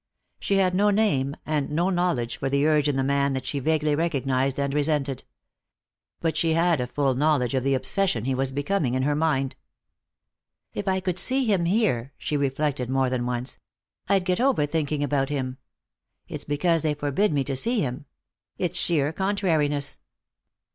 She had no name and no knowledge for the urge in the man that she vaguely recognized and resented. But she had a full knowledge of the obsession he was becoming in her mind. "If I could see him here," she reflected, more than once, "I'd get over thinking about him. It's because they forbid me to see him. It's sheer contrariness."